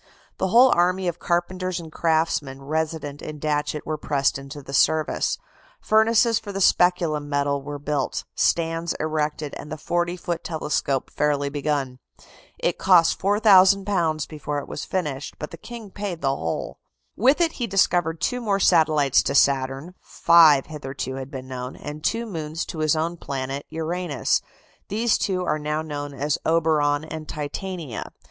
The whole army of carpenters and craftsmen resident in Datchet were pressed into the service. Furnaces for the speculum metal were built, stands erected, and the 40 foot telescope fairly begun. It cost £4,000 before it was finished, but the King paid the whole. [Illustration: FIG. 83. Herschel's 40 foot telescope.] With it he discovered two more satellites to Saturn (five hitherto had been known), and two moons to his own planet Uranus. These two are now known as Oberon and Titania.